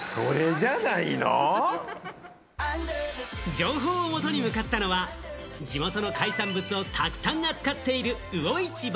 情報をもとに向かったのは、地元の海産物をたくさん扱っている魚市場。